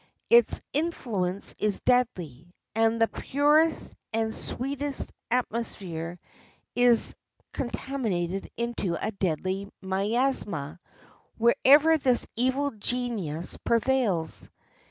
Its influence is deadly, and the purest and sweetest atmosphere is contaminated into a deadly miasma wherever this evil genius prevails.